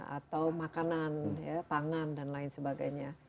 atau makanan ya pangan dan lain sebagainya